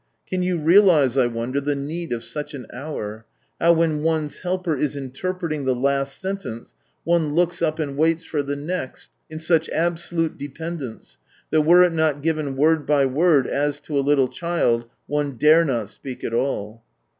Can you realize, I wonder, the need of such an hour — how, when one's helper is interpreting the last sentence, one looks up and waits for the next in such 76 From Sunrise Land absolute dependence, that were it not given word by word, as to a little child, one dare not speak at all